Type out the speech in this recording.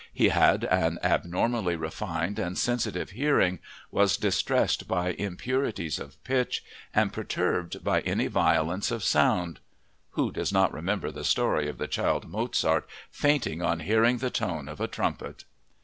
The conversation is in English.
He had an abnormally refined and sensitive hearing, was distressed by impurities of pitch, and perturbed by any violence of sound (who does not remember the story of the child Mozart fainting on hearing the tone of a trumpet?).